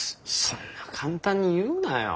そんな簡単に言うなよ。